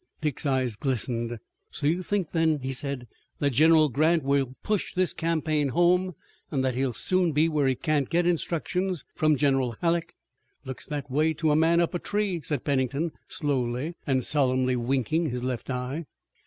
Dick's eyes glistened. "So you think, then," he said, "that General Grant will push this campaign home, and that he'll soon be where he can't get instructions from General Halleck?" "Looks that way to a man up a tree," said Pennington slowly, and solemnly winking his left eye.